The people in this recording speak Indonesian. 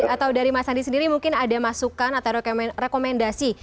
atau dari mas andi sendiri mungkin ada masukan atau rekomendasi